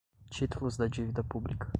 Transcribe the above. títulos da dívida pública